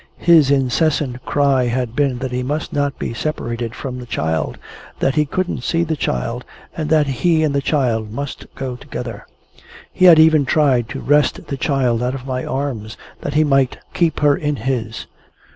His incessant cry had been that he must not be separated from the child, that he couldn't see the child, and that he and the child must go together. He had even tried to wrest the child out of my arms, that he might keep her in his.